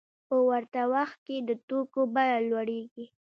په ورته وخت کې د توکو بیه لوړېږي